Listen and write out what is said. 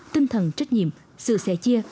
tinh thần trách nhiệm sự sẻ chia